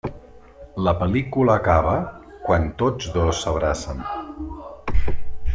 La pel·lícula acaba quan tots dos s'abracen.